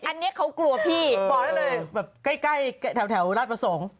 อันนี้เขากลัวพี่บอกได้เลยแบบใกล้ใกล้แถวราชประสงค์